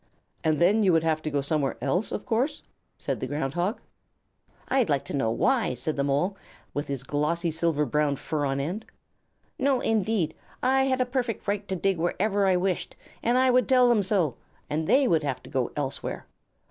"And then you would have to go somewhere else, of course?" said the Ground Hog. "I'd like to know why!" said the Mole, with his glossy silver brown fur on end. "No indeed! I had a perfect right to dig wherever I wished, and I would tell them so, and they would have to go elsewhere.